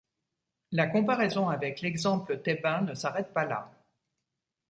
La comparaison avec l'exemple thébain ne s'arrête pas là.